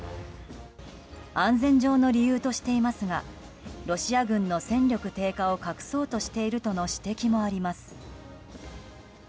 安全上の理由としていますがロシア軍の戦力低下を隠そうとしているとの指摘もあります。